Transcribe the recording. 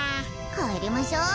かえりましょう。